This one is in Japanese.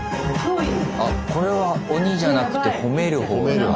あこれは鬼じゃなくて褒める方だ。